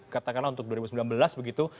katakanlah untuk dua ribu sembilan belas begitu